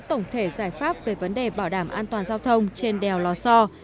tổng thể giải pháp về vấn đề bảo đảm an toàn giao thông trên đèo lò so